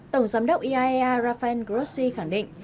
tổng giám đốc iaea rafael grossi khẳng định